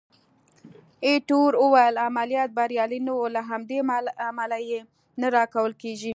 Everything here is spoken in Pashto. ایټور وویل: عملیات بریالي نه وو، له همدې امله یې نه راکول کېږي.